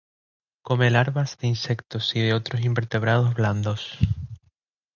Come larvas de insectos y de otros invertebrados blandos.